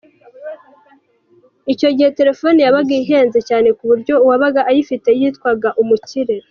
Icyo gihe telefone yabaga ihenze cyane ku buryo uwabaga ayifite yitwaga umukire.